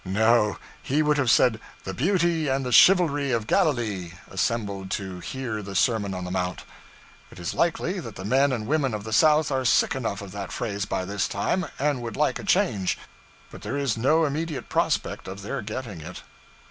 No, he would have said 'the beauty and the chivalry of Galilee' assembled to hear the Sermon on the Mount. It is likely that the men and women of the South are sick enough of that phrase by this time, and would like a change, but there is no immediate prospect of their getting it.